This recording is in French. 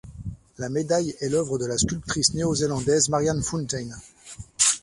La médaille est l'œuvre de la sculptrice néo-zélandaise Marian Fountain.